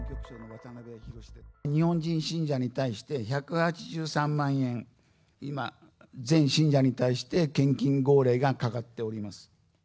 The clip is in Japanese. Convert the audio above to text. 日本人信者に対して、１８３万円、今、全信者に対して献金号令がかかっております。